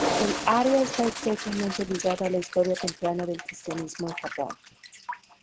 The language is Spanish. El área está estrechamente ligada a la historia temprana del cristianismo en Japón.